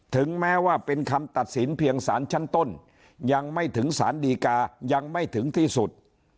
ถึงแม้ว่าเป็นคำตัดสินเพียงสารชั้นต้นยังไม่ถึงสารดีกายังไม่ถึงที่สุด